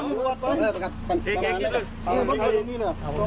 อีกคนหนึ่งอีกคนหนึ่ง